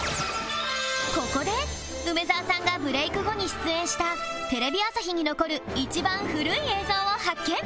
ここで梅沢さんがブレイク後に出演したテレビ朝日に残る一番古い映像を発見！